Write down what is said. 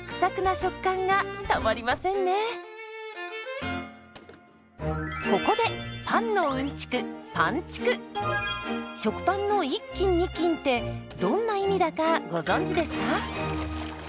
食パンの１斤２斤ってどんな意味だかご存じですか？